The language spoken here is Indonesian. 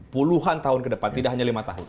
puluhan tahun ke depan tidak hanya lima tahun